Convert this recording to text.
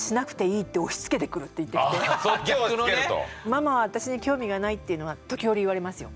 ママは私に興味がないっていうのは時折言われますよ。